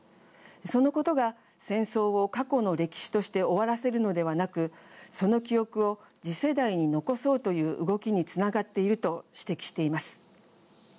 そのことが戦争を過去の歴史として終わらせるのではなくその記憶を次世代に残そうという動きにつながっている」と指摘しています。